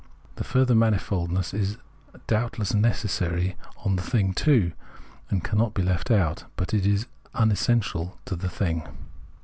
The further mani foldness is doubtless necessarily in the thing too, and cannot be left out ; but it is unessential to the thing.